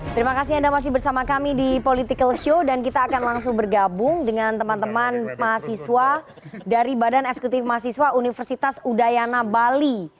terima kasih anda masih bersama kami di political show dan kita akan langsung bergabung dengan teman teman mahasiswa dari badan eksekutif mahasiswa universitas udayana bali